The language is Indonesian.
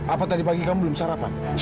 apa tadi pagi kamu belum sarapan